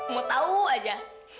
mau tahu aja